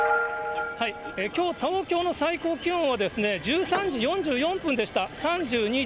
きょう、東京の最高気温は１３時４４分でした、３２．８度。